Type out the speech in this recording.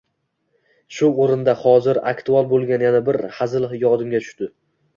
Shu o’rinda, hozir aktual bo’lgan yana bir hazil yodimga tushdi